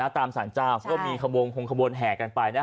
ตามสารเจ้าก็มีขบวนพงขบวนแห่กันไป